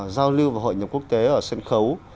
giao lưu và hội nhập quốc tế ở sân khấu